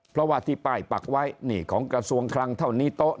เพราะว่าที่ป้ายปักไว้นี่ของกระทรวงคลังเท่านี้โต๊ะ